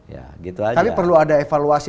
ya gitu aja kali perlu ada evaluasi